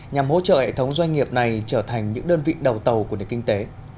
nhằm hỗ trợ hệ thống doanh nghiệp này trở thành những đơn vị đầu tàu của nền kinh tế